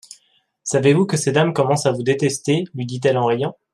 Savez-vous que ces dames commencent à vous détester ? lui dit-elle en riant.